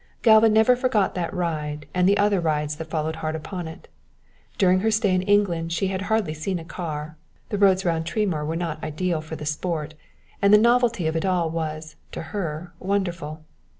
Galva never forgot that ride and the other rides that followed hard upon it. During her stay in England she had hardly seen a car the roads round Tremoor were not ideal for the sport, and the novelty of it all was, to her, wonderful.